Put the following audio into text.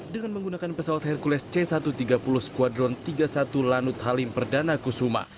dengan menggunakan pesawat hercules c satu ratus tiga puluh squadron tiga puluh satu lanut halim perdana kusuma